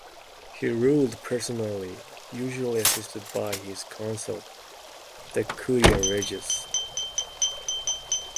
He ruled personally, usually assisted by his Council, the Curia Regis.